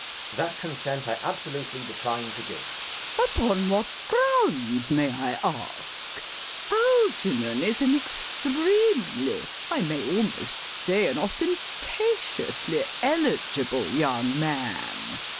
That consent I absolutely decline to give. LADY BRACKNELL. Upon what grounds may I ask? Algernon is an extremely, I may almost say an ostentatiously, eligible young man.